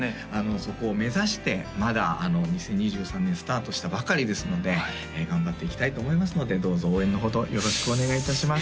そこを目指してまだ２０２３年スタートしたばかりですので頑張っていきたいと思いますのでどうぞ応援のほどよろしくお願いいたします